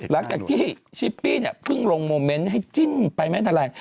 แล้วกับที่ชิปปี้เพิ่งลงโมเมนต์ให้จิ้นไปแม้เท่าไหร่